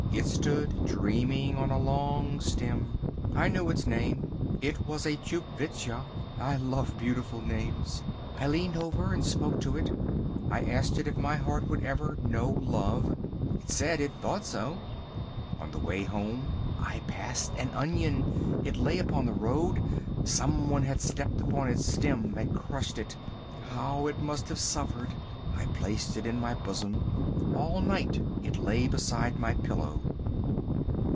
It stood dreaming on a long stem. I knew its name. It was a Tchupvskja. I love beautiful names. I leaned over and spoke to it. I asked it if my heart would ever know love. It said it thought so. On the way home I passed an onion. It lay upon the road. Someone had stepped upon its stem and crushed it. How it must have suffered. I placed it in my bosom. All night it lay beside my pillow.